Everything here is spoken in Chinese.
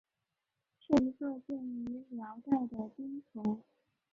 是一座建于辽代的经幢。